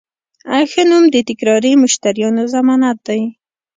ښه نوم د تکراري مشتریانو ضمانت دی.